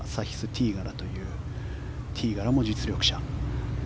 ティーガラというティーガラも実力者。